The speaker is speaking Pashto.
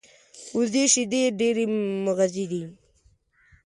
وزې شیدې ډېرې مغذي دي